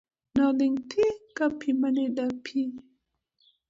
Noling' thi kapi mane dapi.